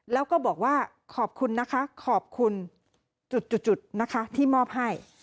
แล้วก็บอกว่าขอบคุณนะคะขอบคุณจุดนะคะที่มอบให้